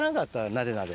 なでなで。